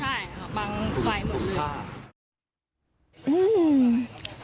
ใช่ค่ะบางไฟหมดเลย